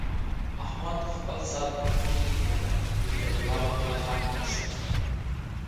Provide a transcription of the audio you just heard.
احمد خپل سر پښو کې منډلی، له کلیوالو خپل حق هم نشي اخستلای.